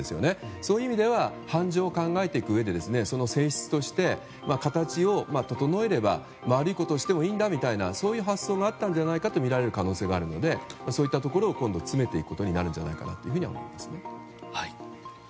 そういう意味では判事を考えていくうえでその性質として形を整えれば悪いことをしてもいいんだという発想があったとみられる可能性もあるのでそういったところを今後、詰めていくんじゃないかと思いますね。